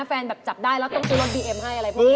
แฟนแบบจับได้แล้วต้องสุดลงบีเอ็มให้อะไรพวกนี้